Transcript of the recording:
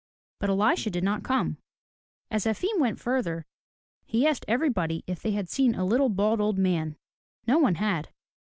But Elisha did not come. As Efim went further, he asked everybody if they had seen a little, bald old man. No one had.